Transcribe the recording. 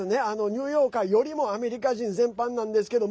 ニューヨーカーよりもアメリカ人全般なんですけど。